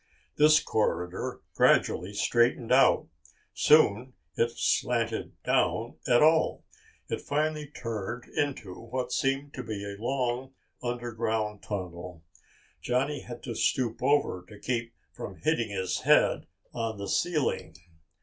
This corridor gradually straightened out. Soon it hardly slanted down at all. It finally turned into what seemed to be a long underground tunnel. Johnny had to stoop over to keep from hitting his head on the ceiling.